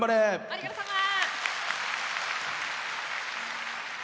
ありがとさま！